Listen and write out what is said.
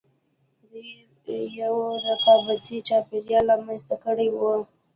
دوی یو رقابتي چاپېریال رامنځته کړی و